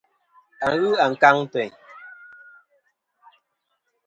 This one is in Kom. A ghɨ ankaŋ teyn.